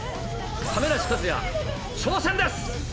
亀梨和也、挑戦です。